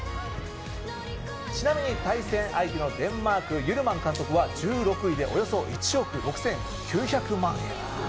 ちなみに対戦相手のデンマーク・ユルマン監督は１６位でおよそ１億６９００万円。